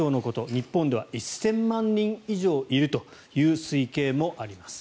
日本では１０００万人以上いるという推計もあります。